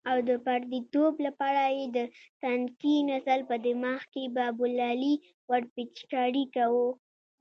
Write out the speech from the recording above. او د پردیتوب لپاره یې د تنکي نسل په دماغ کې بابولالې ورپېچکاري کوو.